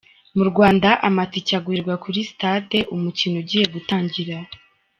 Mu Rwanda amatike agurirwa kuri sitade umukino ugiye gutangira.